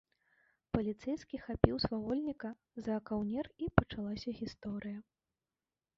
Паліцэйскі хапіў свавольніка за каўнер, і пачалася гісторыя.